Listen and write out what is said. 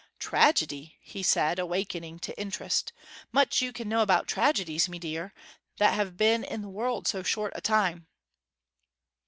'Tragedy?' he said, awakening to interest. 'Much you can know about tragedies, mee deer, that have been in the world so short a time!'